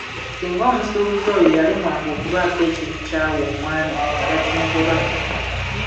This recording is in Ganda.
Singa omusuubuzi oyo yalemwanga okubaako ekintu ky’awa omwami nga bakimugobako.